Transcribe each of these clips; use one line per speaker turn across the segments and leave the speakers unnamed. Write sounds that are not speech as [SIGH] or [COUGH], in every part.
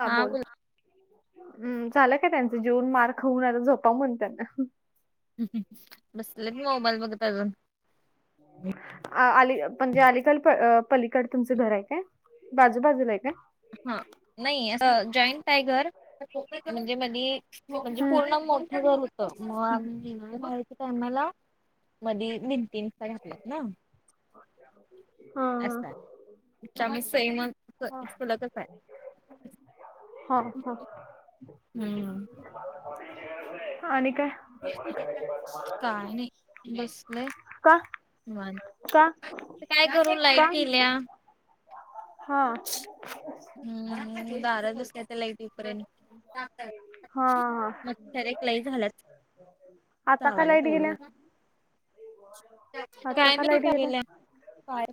ह
हा
बोल
बोला
हम्म झालं काय त्यांचं जेवन मार खाऊन आता झोपाव म्हण त्यांना
बसलं मोबाईल बघ अजून
अ अली म्हणजे अलीिकल पलीकड तुमचं घर आहे काय बाजूबाजूला आहे का
हा नाही आ जॉईंट टायगर म्हणजे म म्हणजे
हम्म.
पूर्ण मोठर मग आम्हीराय कायमला मधी दीन तीन घेतल्या ना
हा,
अस त्यामुळे सैम
हा.
फलकच आहे
हा ह
हम्म
आणि काय
काय नाही बसलं
का
ह
का
काय करून
का
लायतीलल्या
हा
बाराचुसल्या्या लाईटीपर
हा हा
रेक नाही झालंत
आता काय लाईट गेल्या आता
काय
का
मी
लाईट गेल्या
करल काय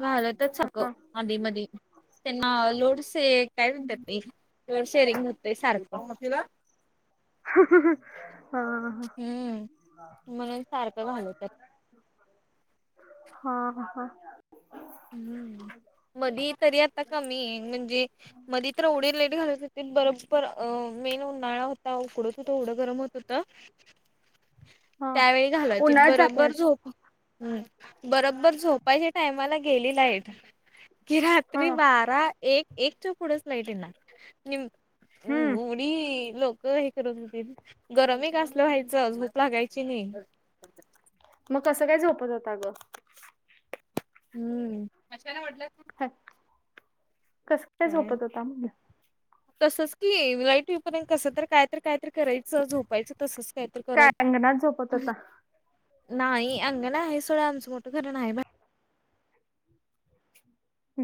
घालतच सक
हा
आधी मधी त्यांना लोड काय म्हणतात लोड शेरिंग होत सारखं
हा
हम्म म्हणून सारखं घलं तर
हा ह
हम्म मधी तरी आता कमी आहे म्हणजे मध्ये तर एवढी लेट घालत होती बरोबर अ मेन उन्हाळा होता उकडत होता एवढं गरम होत होत
हा
त्यावेळी घालवती
उन्हाळ्यात जाते
बरोबर झोप हम् बरोबबर झोपायच्या टायमाला गेली लाईट कि
हा
रात्री बारा एक एकच्या पुढेच लाईट येणार
हम्म
मी लोक हे करत होतील गरम काासलं व्हायचं अजप लागायची नाही
मग कसं काय झोपत जातं अ गं
हम्म मशालाटलं त
ह कस काय सोपत होता
तसंच कि लाईट होईपर्यंत कस तर कायत कायतरी करायचं झोपायचं तसच काय
अंगणात झोपत होता
नाही अंगण आहे स आमच मोठ घरण आहे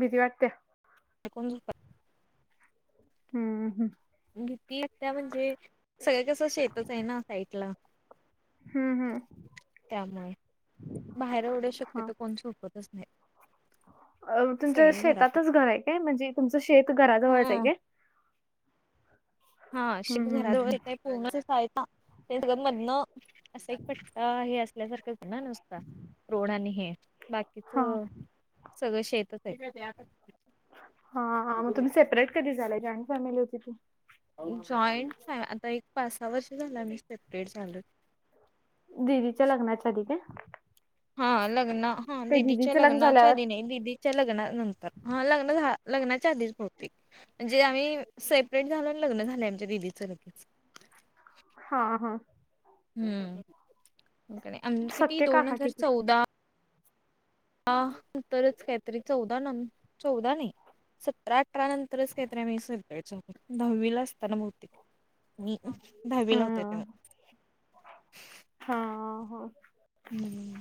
भिती वाटत्या.
ण झ [UNINTELLIGIBLE]
हम्म हम
भीती त्या म्हणजे सगळं कसं शेतच आहे ना साईडला
हम्म हम्म
त्यामुळे बाहेर एवढ्या
हा
शक्यतो कोण सु तच नाही
तुमचं
सगळे घरातच.
शेतातच घर आहे काय म्हणजे तुमचं शेत घराजवळच आहे
हा.
काय?
हा श
हम्म हम्म
घराजळ
हम्म.
य पूर्ण आहे ते स मधन असा एक पट्टा हे असल्यासारखंच ना नुसता रोड आणि हे. बाकीच
हा
सगळं शेतच आहे
हा मग तुम्ही सेपरेट कधी झालाय जॉईंट फॅमिली होती ती
जॉईंट आता एक पासा वर्ष झाला मी सेपरेट झालो
दिदीच्या लग्नाच्या आधी काय?
हा लग्न हा
ते
दिदीच्या
दिदीचं लग्न
लग्नाच्या
झाल्यावर
आधी नाही दिदी च्या लग्नानंतर हा लग्न झा लग्नाच्या आधीच बहु म्हणजे आम्ही सेपरेट झालून लग्न झालेय आमच्या दिदीचं लगेच
हा हा
हम्म किती
सख्खे
दोन
काका
हजार
किती
चौदा हा तरच काय तरी चौदा न चौदा न सतरा अठरा नंतरच काहीतरी मी सगयचोत दहावीला असताना भौतिक मी दहावी ला होते
हम्म
तवा
हा ह
हम्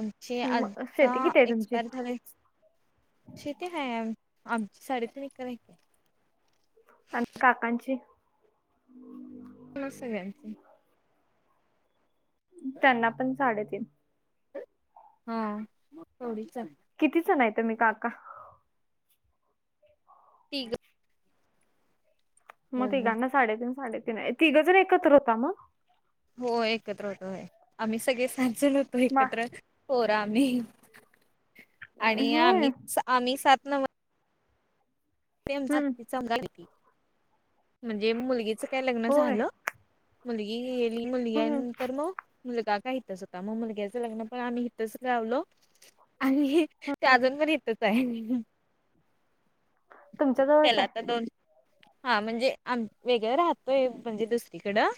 आमचे
मग
आजा
शेती किती आहे तुमची
एक्सपायर झाले शेती आहे आमची साडे तीन एकर
आणि काकांची?
न स जाची [UNINTELLIGIBLE]
त्यांना पण साडेतीन.
हा तेवढीच
किती जण आहे तुम्ही काका
तिघ
मग
हो हो
तिघांना साडेतीन साडेतीन आहे, तिघं जर एकत्र होता मग?
हो एकत्र होतो होय आम्ही सगळे सात जन होतो
मा
एकत्र. पोरं आम्ही आणि
होय
आम्ही आम्ही सात न्हव ते
हम्म
[UNINTELLIGIBLE] म्हणजे मुलगीच काय लग्न
होय
झालं मुलगी एली मुलगी
हम्म
नंतर मग. मुलगा का इथच होता मग मुलग्याचं लग्न पण आम्ही इथंच लावलो आणि तो अजून पण इथच आहे.
तुमच्या जवळच
त्याला आता
आहे
दोन हा म्हणजे आम वेगळं राहतोय म्हणजे दुसरीकडं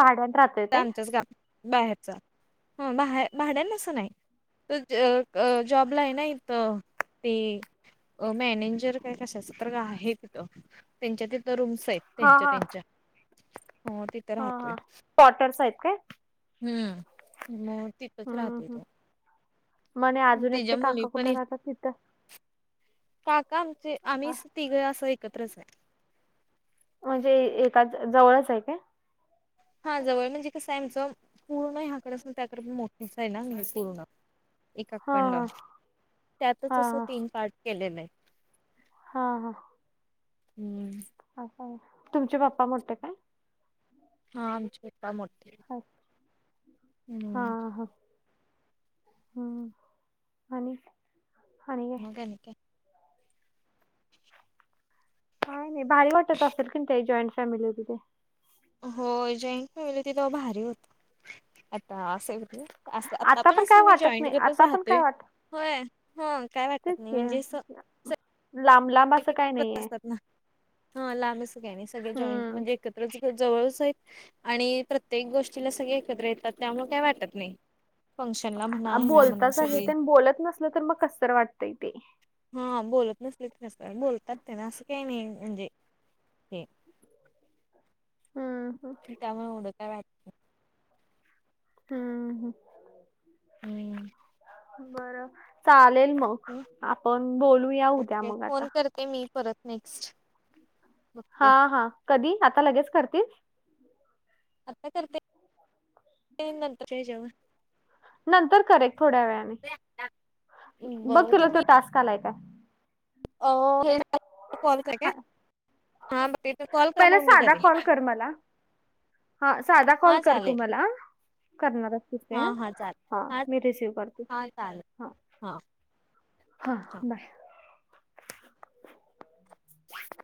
भाड्यात राह
आमच्याच गा बाहेरच ह बा भाड्यान अस नाही. त जॉबला आहे ना इथ ते. अ मॅनेजर काय कशाच तर आहे तिथं त्यांच्या तिथं रूम्स आहेत
हा
त्यांच्या
हा
त्यांच्या हो तिथं राहतोय
कोटर्स आहेत काय?
हम्म मग तिथच
हम्म
राहतोय
हम्म.
तो
म्हणे अजून
त्याच्या
एकटे
मुली
काका
पण
कुठे राहतात तिथं
काका आमचे
हा.
आम्हीच तिघ असं एकत्रच आहे
म्हणजे एका जवळच आहे काय?
हा जवळ म्हणजे कस आहे आमचं, पूर्ण ह्याकडसून त्याकड [UNINTELLIGIBLE] मोठच आहे ना पूर्ण. एक
हा
अकंड
हा
त्यातच असं
हा हा
तीन पार्ट केलेलं आहे.
हा हा!
हूं!
अस तुमचे पप्पा मोठे काय?
हा आमचे पप्पा मोठे
हा हा
हूं!
हा आणि. आणि काय
मग आणिक काय.
काय नाही भारी वाटत असेल, कीन ते जॉईंट फॅमिलीमदे.
हो जॉईंट फॅमिली होती तेव्हा भारी होत, आता असय [UNINTELLIGIBLE] अस आता पण अस
काय
मी
वाटत
जॉईंट [UNINTELLIGIBLE]
नाही
करतच
आता पण
राहतय.
काय वाटत
होय हो काय
तेच
वाटत नाही
की
म्हणजे अस च
लांब लांब
त
असं
[UNINTELLIGIBLE]
काय नाहीये
असतात ना हा लांबआस काही नाही सगळे जॉईंट
हम्म
म्हणजे एकत. [UNINTELLIGIBLE] जवळच आहेत. आणि प्रत्येक गोष्टीला सगळे एकत्र येतात, त्यामुळ काही वाटत नाही. फंक्शनला म्हणा ह्याला म्हणा
बोलताच आहे
सगळे
ते न बोलत नसल तर मग कसतर वाटतंय ते.
हा बोलत नसले तर अस बोलतात ते ना, असं काही नाही म्हणजे ते.
हं हं!
त्यामुळ येवड काय वाट
हूं हूं!
हूं!
बरं चालेल मग, आपण बोलूया उद्या मग आता.
ते मी परत नेक्स्ट.
हा
बघते
हा कधी आता लगेच करतीस.
आता करते नंतर [UNINTELLIGIBLE] हेच्याेव
नंतर करे थोड्या वेळाने, बघ
बर
तुला तो
तुम्ही
टास्क आलाय काय? हा.
[UNINTELLIGIBLE] हा बघते कॉल करा
पहिला
मग मी
साधा
करते
कॉल कर मला. ह साधा कॉल
हा
कर तू
चालेल
मला. करणारच तिसे
हा हा
[UNINTELLIGIBLE]
चालेल
हा मी रिसिव करते हा.
हा
हा बाय.
[INAUDIBLE]